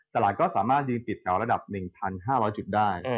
ตลาดก็สามารถยืนปิดแถวระดับ๑๕๐๐จุดได้